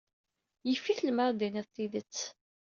Yif-it lemmer ad d-tiniḍ tidet.